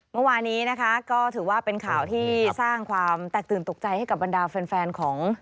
เมื่อวานี้นะคะก็ถือว่าเป็นข่าวที่สร้างความแตกตื่นตกใจให้กับบรรดาแฟนของ